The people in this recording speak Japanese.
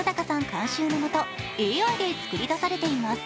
監修のもとＡＩで作り出されています。